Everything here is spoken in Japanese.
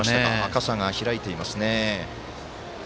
傘が開いていますね。